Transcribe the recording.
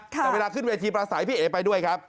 แต่เวลาขึ้นเวทีประสัยพี่เอ๋ไปด้วยครับ